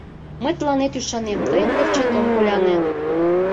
Мый тыланет ӱшанем, тыйын верчет ом коляне.